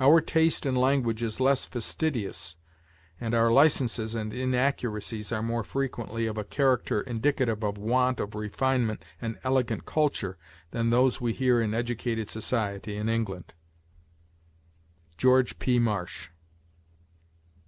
Our taste in language is less fastidious, and our licenses and inaccuracies are more frequently of a character indicative of want of refinement and elegant culture than those we hear in educated society in England." George P. Marsh.